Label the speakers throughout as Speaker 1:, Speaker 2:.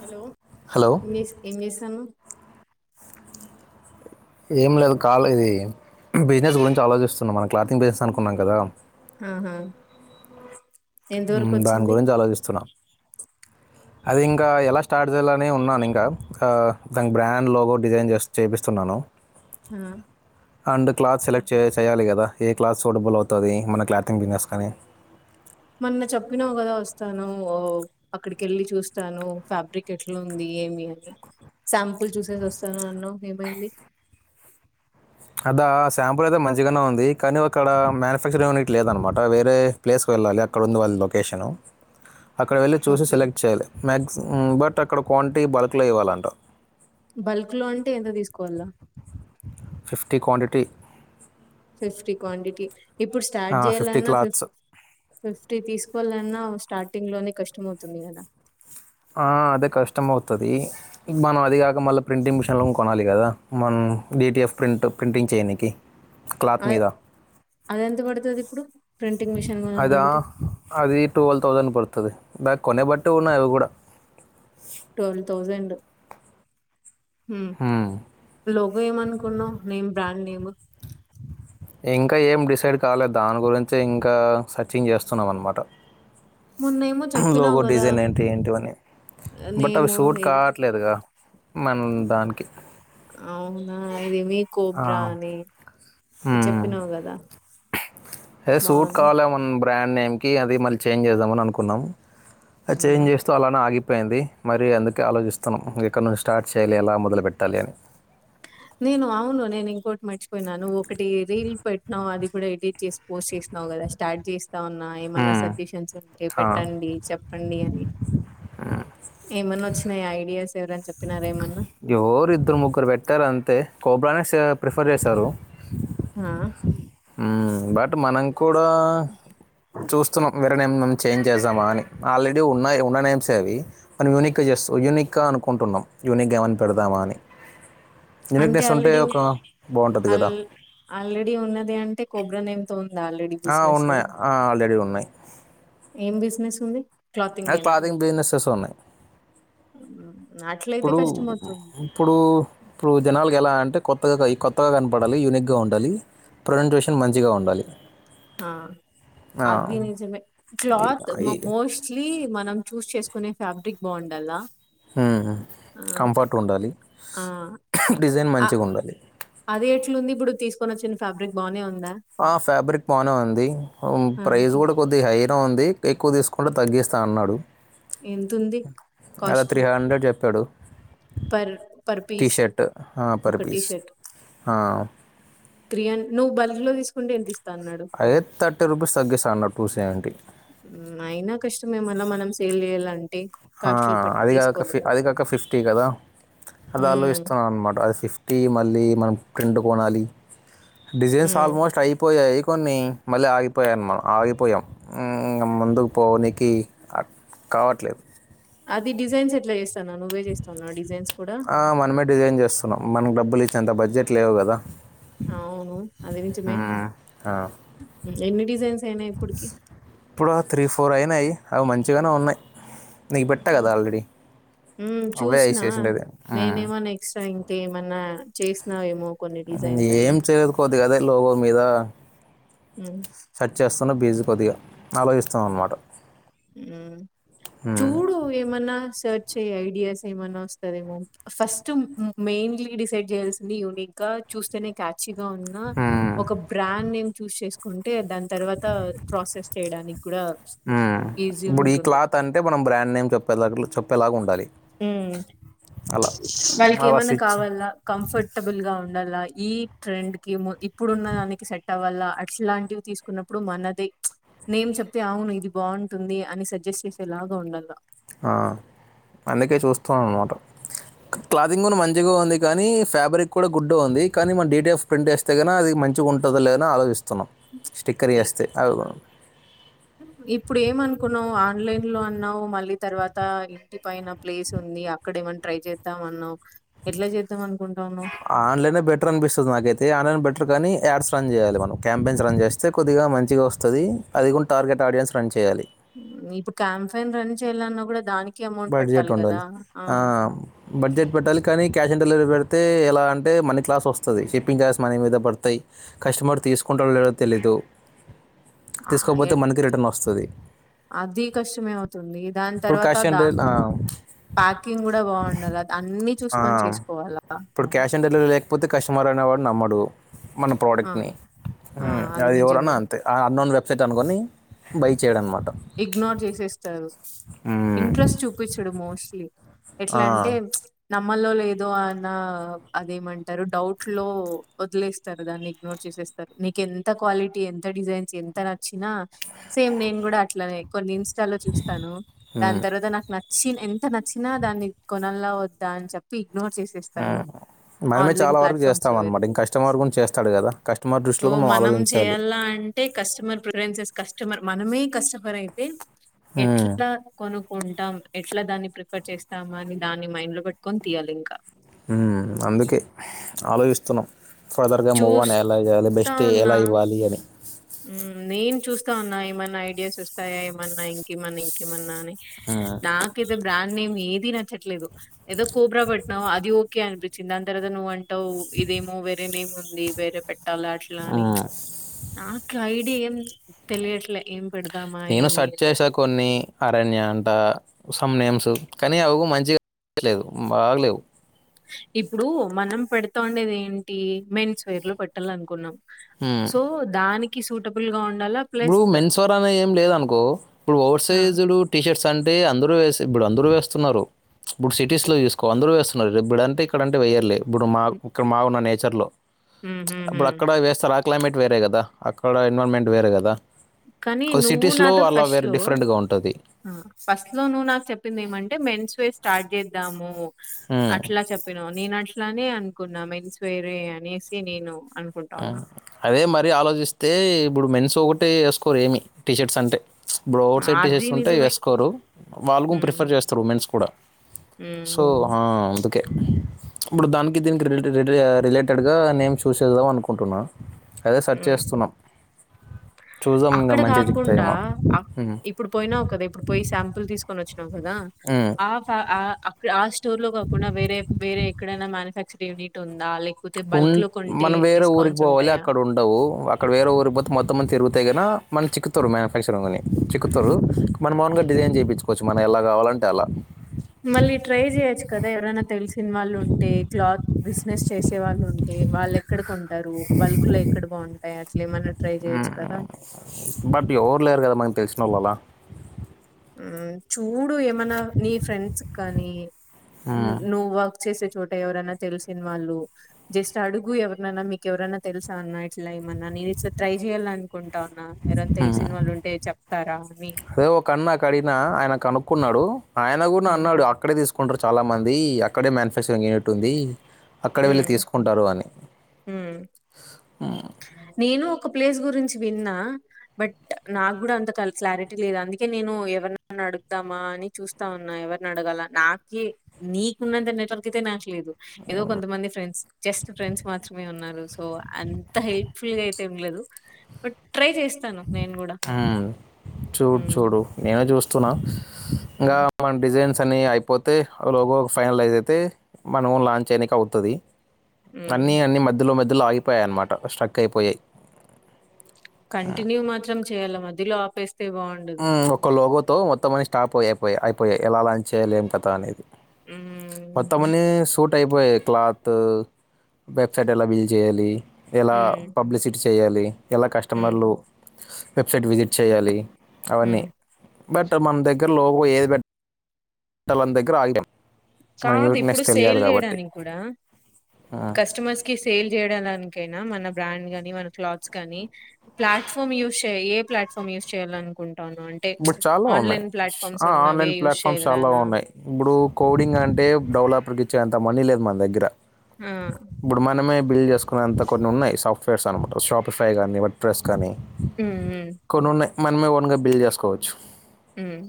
Speaker 1: Hello
Speaker 2: hello
Speaker 1: ఏం చే ఏంచేస్తాన్నారు
Speaker 2: ఏం లేదు కాళి ఇది బిజినెస్ గురించి ఆలోచిస్తున్నా మనం క్లాతింగ్ బిజినెస్ అనుకున్నాం కదా
Speaker 1: ఆహా ఎంత వరకు
Speaker 2: దాని
Speaker 1: వచ్చింది
Speaker 2: గురించి ఆలోచిస్తున్నా అది ఇంకా ఎలా స్టార్ట్ చేయాలనే ఉన్నాను ఇంకా దాని బ్రాండ్ లోగో డిజైన్ చేస్ చేపిస్తున్నాను
Speaker 1: ఆ
Speaker 2: అండ్ క్లాత్ సెలెక్ట్ చే చేయాలి కదా ఏ క్లాత్ సూటబుల్ అవుతది మన క్లాతింగ్ బిజినెస్ కనీ
Speaker 1: మొన్న చెప్పినావు కదా వస్తాను ఓ అక్కడికెళ్లి చూస్తాను ఫ్యాబ్రిక్ ఎట్లుంది ఏమి అని శాంపుల్ చూసేసి వస్తాను అన్నావు ఏమైంది
Speaker 2: అదా శాంపిల్ అయితే మంచిగానే ఉంది కానీ అక్కడ మ్యానుఫ్యాక్చరింగ్ కీ లేదన్నమాట వేరే ప్లేస్కి వెళ్ళాలి అక్కడ ఉంది వాళ్ళ లొకేషను అక్కడ వెళ్ళి చూసి
Speaker 1: ఓకే
Speaker 2: సెలెక్ట్ చేయాలి మ్యాక్సి బట్ అక్కడ క్వాంటిటీ బల్క్ లో ఇవ్వాలంటా
Speaker 1: బల్క్ లో అంటే ఎంత తీసుకోవాల
Speaker 2: ఫిఫ్టీ క్వాంటిటీ
Speaker 1: ఫిఫ్టీ క్వాంటిటీ ఇప్పుడు స్టార్ట్
Speaker 2: ఆ!
Speaker 1: చేయాలన్నా ఫిఫ్
Speaker 2: క్లాత్స్.
Speaker 1: ఫిఫ్టీ తీసుకోవాలన్నా స్టార్టింగ్ లోనే కష్టం అవుతుంది కదా
Speaker 2: ఆ అదే కష్టం అవుతది మనం అది కాక మళ్ళీ ప్రింటింగ్ మిషన్ లు కొనాలి కదా మనం డిటిఎఫ్ ప్రింట్ ప్రింటింగ్ చేయనికి
Speaker 1: అ అది ఎంత పడుతది ఇప్పుడు ప్రింటింగ్ మిషన్
Speaker 2: అదా
Speaker 1: కొనాలంటే
Speaker 2: అది ట్వెల్వ్ థౌసండ్ పడు స్తుంది బాగ కొనే బట్టు ఉన్నా అవి కూడా
Speaker 1: ట్వెల్వ్ హ్మ్ లోగో ఏమనుకున్నావు నేమ్ బ్రాండ్ నేమ్
Speaker 2: ఇంకా ఏం డిసైడ్ కాలే దాని గురించి ఇంకా సర్చింగ్ చేస్తున్నాం అన్నమాట
Speaker 1: మొన్నేమో చెప్పినావు
Speaker 2: లోగో
Speaker 1: కదా
Speaker 2: డిజైన్ అంటే ఏంటిఅని బట్ అవి
Speaker 1: నేము
Speaker 2: సూట్
Speaker 1: ఏది
Speaker 2: కావట్లేదుగా మన దానికి.
Speaker 1: అవునా ఇది మీ
Speaker 2: ఆ!
Speaker 1: కోబ్రా అని నువ్వు చెప్పినావు కదా
Speaker 2: అది సూట్
Speaker 1: బాగుంది
Speaker 2: కాలా మన బ్రాండ్ నేమ్కి అది మళ్ళీ చేంజ్ చేద్దామని అనుకున్నాం అది
Speaker 1: ఉమ్.
Speaker 2: చేంజ్ చేస్తే అలానే ఆగి పోయింది మరి అందుకే ఆలోచిస్తున్నాం ఎక్కడ నుంచి స్టార్ట్ చేయాలి ఎలా మొదలుపెట్టాలి అని
Speaker 1: నేను అవును నేను ఇంకోటి మర్చిపోయినా నువ్వు ఒకటి రీల్ పెట్టినావు అది కూడా ఎడిట్ చేసి పోస్ట్ చేస్ ఓ గదా స్టార్ట్ చేస్ ఇస్తా ఉన్నా ఏమన్నా
Speaker 2: మ్మ్.
Speaker 1: సజెషన్స్ ఉంటే
Speaker 2: ఆ.
Speaker 1: పెట్టండి చెప్పండి అని ఏమన్నా వచ్చినాయ ఐడియాస్ ఎవరని చెప్పినారా ఏమన్నా
Speaker 2: ఎవరు ఇద్దరు ముగ్గురు పెట్టారు అంతే కోబన్ సే ప్రిఫర్ చేశారు
Speaker 1: ఆ
Speaker 2: ఉమ్ బట్ మనం కూడా చూస్తున్నాం విరని ఏ చేంజ్ చేసామా అని ఆల్రెడీ ఉన్నయి ఉన్న నేమ్స్ అవి మనం యూనిక్గా చేస్త యూనిక్ గా అనుకుంటున్నాం యూనిక్గా అని పెడదామా అని
Speaker 1: అంటే
Speaker 2: యూనిక్నెస్ ఉంటే
Speaker 1: ఆల్రెడీ
Speaker 2: ఒక బాగుంటుంది కదా
Speaker 1: ఆల్రెడీ ఉన్నది అంటే కోబ్రా నేమ్ తో ఉందా ఆల్రెడీ
Speaker 2: ఆ
Speaker 1: బిజినెస్
Speaker 2: ఉన్నాయి ఆ ఆల్రెడీ ఉన్నాయి
Speaker 1: ఏం బిజినెస్ ఉంది
Speaker 2: అది క్లాతింగ్ బిజినెసెస్ ఉన్నాయి
Speaker 1: అట్లయితే
Speaker 2: ఇప్పుడు
Speaker 1: కష్టం అవుతుంది
Speaker 2: ఇప్పుడు ఇప్పుడు జనాలకి ఎలా అంటే కొత్తగా కొత్తగా కనపడాలి యూనిక్ గా ఉండాలి ప్రెసెంటేషన్ మంచిగా ఉండాలి
Speaker 1: ఆ
Speaker 2: ఆ,
Speaker 1: అవి నిజమే
Speaker 2: ఈ-
Speaker 1: క్లాత్
Speaker 2: ఈ-
Speaker 1: మోస్ట్లీ మనం చూస్ చేసుకు కొనే ఫ్యాబ్రిక్ బాగుండల్ల
Speaker 2: మ్ కంఫర్ట్ ఉండాలి
Speaker 1: ఆ!
Speaker 2: డిజైన్
Speaker 1: అ
Speaker 2: మంచిగుండాలి
Speaker 1: అది ఎట్లుంది ఇప్పుడు తీసుకని వచ్చిన ఫాబ్రిక్ బానే ఉం
Speaker 2: ఆ ఫ్యాబ్రిక్ బానే ఉంది
Speaker 1: ఆ!
Speaker 2: ప్రైస్ కూడా కొద్దిగ హై ఉంది ఎక్కువ తీసుకుంటె తగ్గిస్తా అన్నాడు
Speaker 1: ఎంతుంది
Speaker 2: అలా
Speaker 1: కాస్ట్?
Speaker 2: త్రీ హండ్రెడ్ చె పాడు
Speaker 1: పర్ పర్ పీస్
Speaker 2: టీషర్ట్ ఆ పర్
Speaker 1: ఒక
Speaker 2: పీస్ హ
Speaker 1: త్రి హ నువ్వు బల్క్ లో తీ
Speaker 2: అదే థర్టీ రూపీస్ తగ్గిస్తా అన్నడు టూ సెవెంటీ
Speaker 1: అయినా కష్టంమే మళ్ళా మనం సేల్ చేయాలంటే
Speaker 2: ఆ అది కాక ఫి అది కాక ఫిఫ్టీ గదా వాళ్ళు
Speaker 1: హ్మ్.
Speaker 2: ఇస్తారణమాట అది ఫిఫ్టీ మళ్ళీ మనం ఫ్రిన్ట్ కొనాలి డిజైన్స్
Speaker 1: హ్మ్.
Speaker 2: ఆల్మోస్ట్ అయిపోయాయి. కొన్ని మళ్ళీ ఆగిపోయానమా ఆగిపోయాం ముందుకు పోనికి కావట్లేదు
Speaker 1: అది డిజైన్స్ ఎట్లా చేస్తానవు నువ్వే చేస్తున్నావు డిజైన్స్ కూడా?
Speaker 2: ఆ మనమే డిజైన్ చేస్తున్నాం మనకు డబ్బులచ్చె అంత బడ్జెట్ లేదు గదా
Speaker 1: అవును అది నించమే ఎన్ని డిజైన్స్ అయినాయి ఇప్పటికి?
Speaker 2: ఇప్పుడా త్రీ ఫోర్ అయినాయి అవి మంచిగనే ఉన్నాయి. నీకు పెట్ట గదా ఆల్రెడీ
Speaker 1: మ్
Speaker 2: అవే
Speaker 1: చూసిన
Speaker 2: ఏసేసిండేది. హ్మ్.
Speaker 1: నేనేమన్నా ఎక్సట్రా ఇంకేమన్నా చేసినావేమో కొన్ని డిజైన్స్ అని.
Speaker 2: ఏం చేయలేదు కోద్ది గదే లోగో మీద
Speaker 1: హ్మ్.
Speaker 2: సెర్చ్ చేస్తున్న బీజీ కొద్దిగా ఆలోచిస్తాం అన్నమాట
Speaker 1: మ్ చూడు ఏమన్న సెర్చ్ చెయ్ ఐడియాస్ ఏమన్నా వస్తారేమో ఫస్ట్ మెయిన్లీ డిసైడ్ చేయాల్సింది యూనిక్ గా చూస్తేనే క్యాచిగా ఉన్నా ఒక బ్రాండ్ నేమ్ చూచ్ చేకుంటే దా తర్వాత ప్రాసెస్ చేయడానికి గూడా
Speaker 2: ఇప్పుడు ఈ క్లాత్ అంటే మనం బ్రాండ్ నేమ్ చెప్పేలా చెప్పేలాగా ఉండాలి. అలా
Speaker 1: వాళ్ళకి
Speaker 2: అలా
Speaker 1: ఏమన్నా
Speaker 2: స్టిచ్
Speaker 1: కావాల్ల కంఫర్టబుల్ గా ఉండాల్ల ఈ ట్రెండ్ కి ము ఇప్పుడున్న దానికి సెట్ అవ్వాల అట్లాంటివి తీసుకున్నప్పుడు మనది నేం చెప్తే అవును ఇది బాగుంటుంది అని సజెస్ట్ చేసేలాగా ఉండల్ల
Speaker 2: ఆ అందుకే చూస్తామనమాట క్లాథంగ్ కూడా మంచిగా ఉంది కానీ ఫ్యాబ్రిక్ కూడా గూడ్ గా ఉంది కానీ మనం డీటిఎఫ్ ప్రింట్ చేస్తే గన అది మంచి చిగా ఉంటుంది లే అని ఆలోచస్తున్నాం స్టిక్కర్ చేస్తే అవి
Speaker 1: [inaudible] ఇప్పుడు ఏమనుకున్నావు ఆన్లైన్ లో అన్నావు మళ్ళీ తర్వాత ఇంటి పైన ప్లేస్ ఉంది అక్కడే ట్రై చేద్దాం అన్నావ్ ఎట్లా చేద్దాం అ
Speaker 2: ఆన్లైనే బెటర్ అనిపిస్తది నాకైతే ఆన్లైన్ బెటర్ కానీ యాడ్స్ రన్ చేయాలి మనం క్యాంపెన్స్ రన్ చేస్తే కొద్దిగా మంచిగా వస్తది అది కూడా టార్గెట్ ఆడియన్స్ రన్ చేయాలి
Speaker 1: ఇప్పుడు క్యాంఫైన్ రన్ చేయాలన్నా కూడా దానికి అమౌంట్
Speaker 2: బడ్జెట్
Speaker 1: పెట్టాలి కదా
Speaker 2: ఉండాలి ఆ బడ్జెట్ పెట్టాలి కానీ క్యాష్ డెలివరీలు పెడితే ఎలా అంటే మనీ క్లాస్ వస్తది షింపిగ్ ఛార్జస్ మన మీద పడతాయి కస్టమర్ తీసుకుంటాడో లెదో తెలీదు
Speaker 1: ఆ,
Speaker 2: తీసుకోకపోతే
Speaker 1: ఎ-
Speaker 2: మనకి రిటర్న్ వస్తది
Speaker 1: అది కష్టమే అవుతుంది దాని తర్వాత
Speaker 2: టెన్త్
Speaker 1: దా
Speaker 2: వెళ్దాం
Speaker 1: ప్యాకింగ్ కూడా బాగుండాలా అన్ని
Speaker 2: ఆ!
Speaker 1: చూసుకొని చేసుకోవాలా
Speaker 2: ఇప్పుడు క్యాష్ ఆన్ డెలివరీ లేకపోతే కస్టమర్ అనేవాడు నమ్మడ్ డు మన
Speaker 1: ఆ
Speaker 2: ప్రొడక్ట్స్ ని హు
Speaker 1: ఆ
Speaker 2: అది ఎవరైనా
Speaker 1: నిజమే
Speaker 2: అంతే ఆ అర్థంలో సెట్ అనుకొని బై చేయడం అనమాట
Speaker 1: ఇగ్నోర్ చేసేస్తారు
Speaker 2: హ్మ్.
Speaker 1: ఇంట్రెస్ట్ చూపించడు మోస్ట్లీ ఎట్లా
Speaker 2: ఆ!
Speaker 1: అంటే ప్చ్ నమ్మల్లో లేదో అన్న అదేమంటారు డౌట్ లో వదిలేస్తారు దాన్ని ఇగ్నోర్ చే సేస్తారు నీకి ఎంత క్వాలిటీ ఎంత డిజైన్స్ ఎంత నచ్చిన సేమ్ నేను కూడా అట్లనే కొన్ని ఇన్స్టాలో చూస్తాను దాని
Speaker 2: హ్మ్.
Speaker 1: తర్వాత నాకు నచ్చ చ్చి ఎంత నచ్చినా దాన్ని కొనల్ల వద్దా అని చెప్పి ఇగ్నోర్ చేసేస్తాను
Speaker 2: మనమే
Speaker 1: ఆన్లైన్
Speaker 2: చాలా వరకు
Speaker 1: ప్లాట్ఫామ్స్
Speaker 2: చేస్తాం
Speaker 1: లో వేరే
Speaker 2: అనమాట
Speaker 1: చూ
Speaker 2: ఇంక కస్టమర్ కూడా చేస్తాడు కదా కస్టమర్
Speaker 1: సో
Speaker 2: దృష్టిలో కూడా
Speaker 1: మనం
Speaker 2: ఆలోచించాలి
Speaker 1: చేయాలా అంటే అంటే కస్టమర్ ప్రిఫరెన్సెస్ కస్టమర్ మనమే కస్టమర్ అయితే
Speaker 2: ఉమ్,
Speaker 1: ఎట్లా కొను కుంటాం ఎట్లా దాన్ని ప్రిఫర్ చేస్తామ అని దాన్ని మైండ్ లో పెట్టుకొని తీయాలి ఇంకా
Speaker 2: ఉమ్, అందుకే ఆలోచిస్తున్నాం ఫర్దర్గా మూవ్ అని ఎలా చేయాలి
Speaker 1: చూస్తా
Speaker 2: బెస్ట్
Speaker 1: ఉన్నా
Speaker 2: ఎలా ఇవ్వాలి అని
Speaker 1: ఉమ్ నేను చూస్తా ఉన్నా ఏమన్నా ఐడియాస్ వస్తాయా ఏమన్నా ఇంకేమన్నా ఇంకేమన్నా అని
Speaker 2: ఉమ్,
Speaker 1: నాకి ఏద బ్రాండ్ నేమ్ ఏది నచ్చట్లేదు ఏదో కోబ్రా పెట్నావు అది ఓకే అనిపించింది దాని తర్వాత నువ్వు అం టావ్ ఇదేమో వేరేనేమో ఉంది వేరే పెట్టాలి అట్లా అని
Speaker 2: ఉమ్.
Speaker 1: ప్చ్ నాకు ఐడియా ఏం తెలియట్లా ఏం పెడుదు
Speaker 2: నేను సర్చ్ చేసా కొన్ని అ అరణ్య అంట సమ్ నేమ్స్ కానీ అవి మంచిగా లేదు బాగలేవు
Speaker 1: ఇప్పుడు మనం పెడతా ఉండేది ఏంటి మెన్స్ వేర్ లో పెట్టాల అనుకున్నాం
Speaker 2: ఉమ్.
Speaker 1: సో దానికి సూటబుల్ గా ఉండ
Speaker 2: ఇప్పుడు మెన్స్ వర్ అనే ఏం లేద అనుకో ఇప్పుడు ఓవర్
Speaker 1: ఆ
Speaker 2: సైజులు టీషర్ట్స్ అంటే అందరు వేసి ఇప్పుడు అందరూ వేస్తున్నారు ఇప్పుడు సిటీస్ లో చూసుకో అందరూ వేస్తున్నారు ఇప్పుడు అంట ఇక్కడంటే వేయర్లే ఇప్పుడు మా ఇక్కడ మాగున్న నేచర్ లో
Speaker 1: హ్మ్
Speaker 2: ప్చ్
Speaker 1: హ్మ్
Speaker 2: అప్పుడు
Speaker 1: హ్మ్
Speaker 2: అక్కడ వేస్తరా క్లైమేట్ వేరే కదా అక్కడ ఎన్వైర్న్మెంట్ వేరే కదా
Speaker 1: కానీ
Speaker 2: కొద్ది
Speaker 1: నువ్వు
Speaker 2: సిటీస్లో
Speaker 1: నాతో
Speaker 2: అలా
Speaker 1: ఫస్ట్
Speaker 2: వేరే
Speaker 1: లో
Speaker 2: డిఫరెంట్గా ఉంటుంది
Speaker 1: ఆ ఫస్ట్ లో నువ్వు నాకు చెప్పింది ఏమంటే మెన్స్ వేర్ స్టార్ట్ చేద్దాము
Speaker 2: ఉమ్,
Speaker 1: అట్లా చెప్పినావ్ నేను అట్లనే అనుకున్నా మెన్స్ వేర్ ఏ అనేసి నేను అనుకుంటా ఉన్నా.
Speaker 2: అదే మరీ ఆలోచిస్తే ఇప్పుడు మెన్స్ ఒకటే వేసుకోరు ఏమి టీషర్ట్స్ అంటే ప్చ్ ఇప్పుడు ఔట్
Speaker 1: ఆ,
Speaker 2: సైడ్ టీ
Speaker 1: అది
Speaker 2: షర్ట్స్ ఉంటే
Speaker 1: నిజమే
Speaker 2: వేసుకోరు వాళ్ళు కూడా
Speaker 1: హ్మ్
Speaker 2: ప్రిఫర్ చేస్తారు ఉమెన్స్ కూడా
Speaker 1: హ్మ్
Speaker 2: సో ఆ అందుకే ఇప్పుడు దానికి దీనికి రిలేటెడ్ ర రిలేటెడ్గా నేమ్స్ చూసేద్దాం అనుకుంటున్నాను అదే సెర్చ్
Speaker 1: హ్మ్
Speaker 2: చేస్తున్నాం చూద్దాం ఇంకా
Speaker 1: అక్కడ
Speaker 2: మంచి
Speaker 1: కాకుండా
Speaker 2: చిక్కుతాయేమో ఉమ్.
Speaker 1: ఇప్పుడు పోయినావ్ కదా ఇప్పుడు పోయి శాంపుల్ తీసుకొని వచ్చిన కదా
Speaker 2: ఉమ్.
Speaker 1: ఆ ఫ ఆ స్టోర్ లో కాకుండా వేరే వేరే ఎక్కడైనా మ్యానుఫ్యాక్చర్ ఎడిట్ ఉందా లే
Speaker 2: ఉమ్ మనం వేరే ఊరికి పోవాలి
Speaker 1: ఉంటాయా?
Speaker 2: అక్కడ ఉండవు అక్కడ వేరే ఊరికి పోతే మొత్తం మంత తిరుగుతాయి గనా మనకు చిక్కుతారు మ్యానుఫ్యాక్చరింగ్ల చిక్కుతరు మన మామూలుగా డిజైన్ చేయించు కొంచెం మనం ఎలా కావాలంటే అలా
Speaker 1: మళ్ళీ ట్రై చేయొచ్చు కదా ఎవరైనా తెలిసిన వాళ్ళు ఉంటే క్లాత్ బిజినెస్ చేసే వాళ్ళు ఉంటే వాళ్ళు ఎక్కడ కొంటారు బల్క్ లో ఎక్కడ బాగుంటాయి అట్లా ఏమన్నా ట్రై చేయొచ్చు కదా
Speaker 2: ఉమ్. బట్ ఎవరు లేరు కదా మనకు తెలిసిన వాళ్ళు అలా
Speaker 1: ఉమ్ చూడు ఏమన్నా నీ ఫ్రెండ్స్ కానీ
Speaker 2: ఉమ్.
Speaker 1: నువ్వా చేసే చోట ఎవరైనా తెలిసిన వాళ్ళు జస్ట్ అడుగు ఎవరనైనా మీకు ఎవరైనా తెలుసా అన్న ఇట్లా మన్నా నేను ఇట్ల ట్రై చేయాలనుకున్నా కుంటా ఉన్నా ఎవరైనా తెలిసిన
Speaker 2: ఉమ్.
Speaker 1: వాళ్ళు ఉంటే చెప్తారా అని
Speaker 2: ఆ ఆయన కనుక్కున్నాడు ఆయన కూడా
Speaker 1: ఉమ్
Speaker 2: అన్నాడు అక్కడే తీసుకు కుంటరు చాలా మంది అక్కడే మ్యానుఫ్యాక్చరింగ్ అయినట్టు ఉంది అక్కడ వెళ్ళి
Speaker 1: ఉమ్
Speaker 2: తీసుకుంటారు అని
Speaker 1: ఉమ్ నేను ఒక ప్లేస్ గురించి విన్నా బట్ నాకు కూడా అంత క్లారిటీ లేదు అందుకే నేను ఎవరి అడుగుదా అని చూస్తా ఉన్నా ఎవరిని అడగాల నాక నీకున్నంత నెట్వర్క్ అయితే నా లేదు ఏదో కొంతమంది ఫ్రెండ్స్ జస్ట్ ఫ్రెండ్స్ మాత్రమే ఉన్నారు సో అ ఫుల్ గా అయితే ఏం లేదు బట్ ట్రై చేస్త
Speaker 2: హు చూడు
Speaker 1: హ్మ్.
Speaker 2: చూడు నేనే చూస్తున్నా ఇంగా
Speaker 1: హ్మ్.
Speaker 2: మన డిజైన్ స్ అన్ని అయిపోతే లోగో ఫైనలైజ్ అయితే మనం లాంచ్ చేయనికి అవుతుంది
Speaker 1: హ్మ్.
Speaker 2: అన్నీ అన్ని మధ్యలో మధ్యలో ఆగిపోయాయిన్నమాట స్ట్రక్ అయిపోయాయి
Speaker 1: కంటిన్యూ మాత్రం చేయాల మధ్యలో ఆపేస్త
Speaker 2: హు ఒక్క లోగోతో మొత్తం అని స్టాప్ అయియిపోయి అయిపోయాయి ఎలా లాంచ్ చేయాలలే ఏం కథ అనేది
Speaker 1: హ్మ్.
Speaker 2: మొత్తం అన్ని సోట్ అయిపోయ క్లాత్ వెబ్సైట్ ఎలా బిల్డ్ చేయాలి ఎలా
Speaker 1: హ్మ్.
Speaker 2: పబ్లిసిటీ చేయాలి ఎలా
Speaker 1: హ్మ్.
Speaker 2: కస్టమర్లు వెబ్సైట్ విజిట్ చేయాలి అవన్నీ
Speaker 1: హ్మ్.
Speaker 2: బెటర్ మన దగ్గర లోగో ఏది బట్ట పెట్టాలని దగ్గర ఆగినము
Speaker 1: కాదు ఇప్పుడు సేల్ చేయడానికి కూడా
Speaker 2: ఆ,
Speaker 1: కస్టమర్స్ కి సేల్ చేయాలనికి డానికి మన బ్రాండ్ గాని మన ఫ్లాట్స్ గాని ప్లాట్ఫామ్ యూస్ చెయ్ ఏ ప్లాట్ ఫామ్ చేయాలనుకొం
Speaker 2: ఇప్పుడు చాలా ఉన్నాయి ఆ
Speaker 1: ఉన్నవే
Speaker 2: ఆన్లైన్
Speaker 1: యూజ్
Speaker 2: ప్లాట్ఫామ్స్ చాలా
Speaker 1: చేయాలనా?
Speaker 2: ఉన్నాయి ఇప్పుడు కోడింగ్ అంటే టే డెవలప్ర్కి చేదాము అని మనీ లేదు మన దగ్గర
Speaker 1: ఆ
Speaker 2: ఇప్పుడు మనమే బిల్డ్ చేసుకునేంత కొన్నిన్నాయి సాఫ్ట్వేర్స్ అన్నామాట షాప్ సైజ్ అని వట్ ప్రెస్ కానీ
Speaker 1: హ్మ్. హ్మ్.
Speaker 2: కొన్ని ఉన్నాయి మనమే ఓన్ బిల్ చేసుకోవచ్చు
Speaker 1: హ్మ్.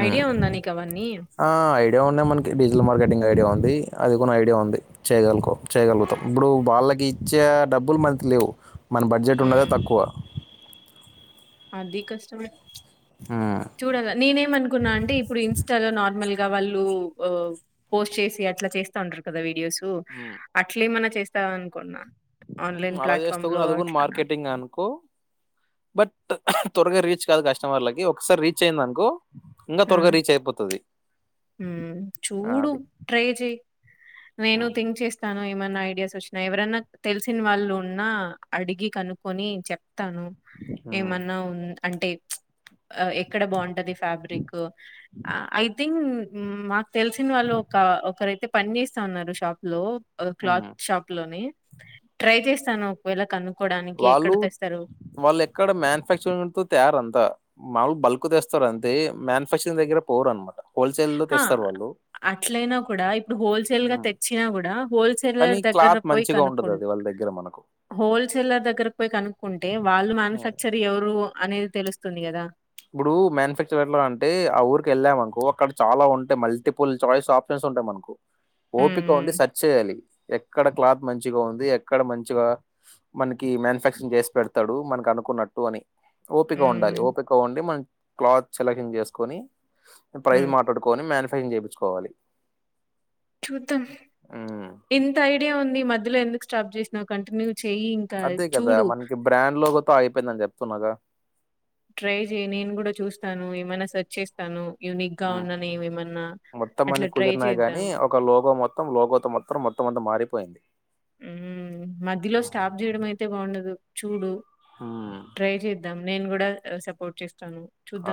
Speaker 2: హు
Speaker 1: ఐడియా ఉందా నీకవన్నీ?
Speaker 2: ఆ ఏ ఉన్నాయి మనకి డిజిటల్ మార్కెటింగ్ ఐడియా ఉంది అది కూడాన్న ఐడియా ఉంది చేయగలుకో చేయగలుగుతాం ఇప్పుడు వాళ్ళ నాకు ఇచ్చే డబ్బులు మనకి లేవు మన బడ్జెట్ ఉన్నదా
Speaker 1: హ్మ్.
Speaker 2: తక్కువ
Speaker 1: అది కష్ట మే
Speaker 2: హ్మ్.
Speaker 1: చూడాల నేనేమనుకున్నా అంటే ఇప్పుడు ఇన్స్టాలో నార్మల్ గా వాళ్ళు పోస్ట్ చేసి అట్లా చేస్తఉంటారు కదా వీడియోస్
Speaker 2: హ్మ్.
Speaker 1: అట్లా ఏమన్నా చేస్తావ అనుకున్నా
Speaker 2: అలా చేస్తా కూడాని అది కూడామార్కెటింగ్ అనుకో బట్ త్వరగా రీచ్ కాదు కస్టమర్లకి ఒకసారి రీచ్ అయ్యందినుకో ఇంకా త్వరగా రీచ్ అయిపోతుది
Speaker 1: హు చూడు ట్రై చెయి నేను
Speaker 2: హ్మ్.
Speaker 1: థింక్ చేస్తాను ఏమన్నా ఐడియాస్ వచ్చినా ఎవరైన్నా తెలిసిన వాళ్ళు ఉన్నా అడిగి కనుక్కొని చె స్తాను
Speaker 2: హ్మ్.
Speaker 1: ఏమన్నా ఉ అంటే ఎక్కడ బాగుంటది ఫ్యాబ్రిక్ ఐథింక్ హు మాకు తెలిసిన వాళ్ళు ఒక ఒకరైతే పని చేస్తా ఉన్నారు షాప్ లో క్లాత్
Speaker 2: హ్మ్.
Speaker 1: షాప్ లోని ట్రై చేస్తాను ఒకవేళ కనుక్
Speaker 2: వాళ్ళు వాళ్ళు ఎక్కడ మ్యానుఫ్యాక్చరింగ్ త తయారంతా మాముూలు బల్క్ తెస్తారు అంతే మ్యానుఫ్యాక్చరింగ్ దగ్గర పోరు అన్నామాట హోల్సేల్ లో తెస్తారు వాళ్ళు
Speaker 1: అట్లైనా కూడా ఇప్పుడు హోల్సేల్ గా
Speaker 2: ఉమ్,
Speaker 1: తెచ్చినా కూడా
Speaker 2: కానీ
Speaker 1: హోల్సేలర్ దగ్గర
Speaker 2: క్లాత్
Speaker 1: పోయి
Speaker 2: మంచిగా ఉండదు
Speaker 1: కనుక్కుం
Speaker 2: అది వాళ్ళ దగ్గర మనకు
Speaker 1: హోల్సేలర్ దగ్గరకి పోయి కనుక్కుంటే వాళ్ళు
Speaker 2: ఉమ్,
Speaker 1: మ్యానుఫ్యాక్చర్ ఎవరు అనేది తెలుస్తుంది కదా
Speaker 2: ఇప్పుడు మ్యానుఫ్యాక్చర్ ఎట్లా అంటే ఆ ఊరికి వెళ్ళాంనుకో అక్కడ చాలా ఉంటాయి మల్టిపుల్ చాయిస్ ఆప్షన్స్ ఉంటాయి మనకు
Speaker 1: ఉమ్
Speaker 2: ఓపిక ఉండి
Speaker 1: ఉమ్
Speaker 2: సర్చ్ చేయాలి ఎక్కడ క్లాత్ మంచిగా ఉంది ఎక్కడ మంచిగా మనకి మ్యానుఫ్యాక్చరింగ్ చేసి పెడతాడు మనకి అనుకున్నట్టు అని ఓపిక ఉండాలి
Speaker 1: ఉమ్
Speaker 2: ఓపిక మన్ క్లాత్ సెలక్షన్ జేసుకొని ప్రైజ్
Speaker 1: ఉమ్.
Speaker 2: మాట్లాడుకొని మానుఫ్ టైలరింగ్ జేపిచ్చుకోవాలి.
Speaker 1: చూద్దాం ఇంత ఐడియా ఉంది మధ్యలో ఎందుకు స్టాప్ జేసినవు కంటిన్యూగ
Speaker 2: అద్దే గదా మనకి బ్రాండ్ లోగోతో అయిపోయిందన్జెప్తున్నాగ
Speaker 1: ట్రై జేయ్ నేను గూడ చూస్తాను ఏమన్నా సర్చ్ చేస్తాను యూనిక్ గా
Speaker 2: ఉమ్
Speaker 1: ఉన్ననేవి ఏమన్నా
Speaker 2: మొత్తం
Speaker 1: అట్లా
Speaker 2: అన్ని
Speaker 1: ట్రై
Speaker 2: కుదిరినాయి
Speaker 1: చేద్దాం
Speaker 2: గాని ఒక లోగో మొత్ త్తం లోగోతో మొత్రం మొత్తమంత మారిపోయింది
Speaker 1: ఉమ్ మధ్యలో స్టాప్ జేయడం అయితే బాగుండదు చూడు
Speaker 2: ఉమ్,
Speaker 1: ట్రై చేద్దాం నేను గూడా అ సపోర్ట్ చేస్తాను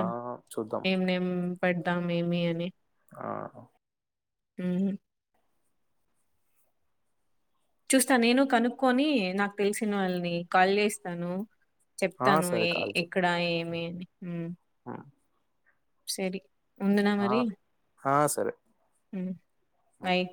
Speaker 2: ఆ చూద్దాం
Speaker 1: ఏం నేం పెడదాం ఏమి అని
Speaker 2: ఆ
Speaker 1: ఉమ్ హ్ చూస్తా నేను కనుక్కొనీ నాకు తెలిసిన వాళ్ళని కాల్ జేస్తాను
Speaker 2: ఆ,
Speaker 1: చెప్తాను
Speaker 2: సరే
Speaker 1: ఏ
Speaker 2: కాల్ చేయి
Speaker 1: ఎక్కడా ఏమి అని ఉమ్
Speaker 2: ఉమ్,
Speaker 1: సరే ఉండనా
Speaker 2: ఆ,
Speaker 1: మరీ
Speaker 2: ఆ, సరే
Speaker 1: ఉమ్
Speaker 2: ఉమ్.
Speaker 1: బాయ్